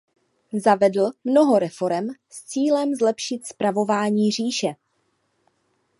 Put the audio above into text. Zavedl mnoho reforem s cílem zlepšit spravování říše.